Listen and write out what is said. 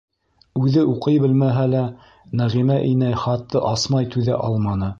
Үҙе уҡый белмәһә лә, Нәғимә инәй хатты асмай түҙә алманы.